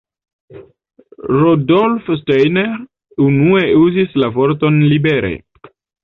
Rudolf Steiner unue uzis la vorton libere.